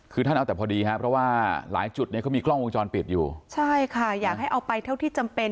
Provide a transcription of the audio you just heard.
คือท่านเอาแต่พอดีครับเพราะว่าหลายจุดเนี่ยเขามีกล้องวงจรปิดอยู่ใช่ค่ะอยากให้เอาไปเท่าที่จำเป็น